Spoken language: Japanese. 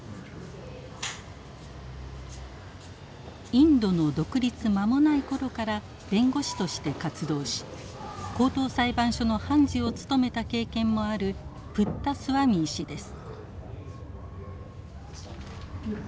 インドの独立間もない頃から弁護士として活動し高等裁判所の判事を務めた経験もあるプッタスワミー氏です。